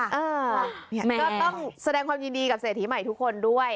ก็ต้องแสดงความยินดีกับเศรษฐีใหม่ทุกคนด้วย